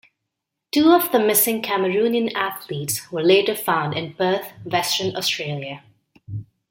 Two of the missing Cameroonian athletes were later found in Perth, Western Australia.